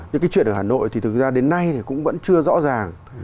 những cái chuyện ở hà nội thì thực ra đến nay thì cũng vẫn chưa rõ ràng